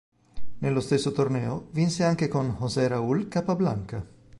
Nello stesso torneo vinse anche con José Raúl Capablanca.